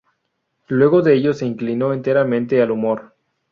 Luego de ello se inclinó enteramente al humor.